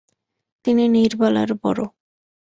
তিনি নীরবালার বড়ো।